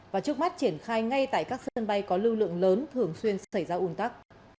và trước mắt triển khai ngay tại các sân bay có lưu lượng lớn thường xuyên xảy ra un tắc